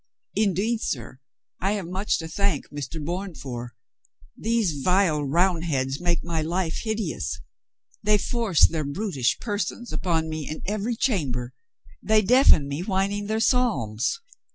Indeed, sir, I have much to thank Mr. Bourne for. These vile Round heads make my life hideous. They force their brutish persons upon me in every chamber. They deafen me whining their psalms.